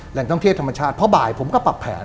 แหล่งท่องเที่ยวธรรมชาติเพราะบ่ายผมก็ปรับแผน